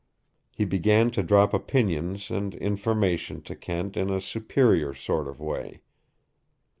He began to drop opinions and information to Kent in a superior sort of way.